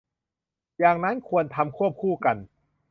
อย่างนั้นควรทำควบคู่กัน